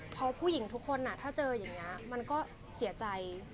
เพราะผู้หญิงทุกคนน่ะถ้าเจออย่างเงี้ยมันก็เสียใจ